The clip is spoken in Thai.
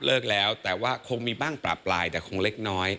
เลิกแล้วแต่ว่าคงมีบ้างปลาปลายแต่คงเล็กน้อย